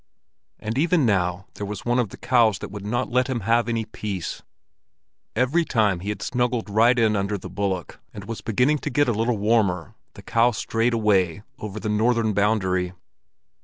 And even now there was one of the cows that would not let him have any peace. Every time he had snuggled right in under the bullock and was beginning to get a little warmer, the cow strayed away over the northern boundary.